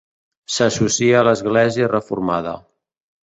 S'associa a l'Església reformada.